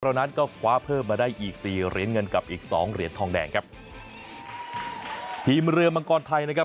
นั้นก็คว้าเพิ่มมาได้อีกสี่เหรียญเงินกับอีกสองเหรียญทองแดงครับทีมเรือมังกรไทยนะครับ